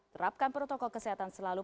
terapkan protokol kesehatan selalu